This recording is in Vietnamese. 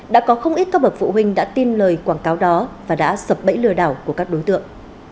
đã có không ít các bậc phụ huynh đã tin lời quảng cáo đó và đã sập bẫy lừa đảo của các đối tượng